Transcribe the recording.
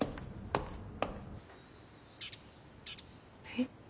えっ。